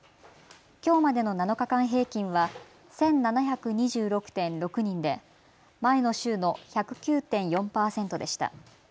きょうまでの７日間平均は１７２６．６人で前の週の１０９．４％でした。